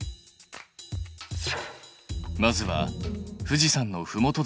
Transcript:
まずは富士山のふもとでの計測。